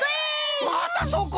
またそこ？